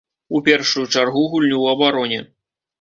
У першую чаргу гульню ў абароне.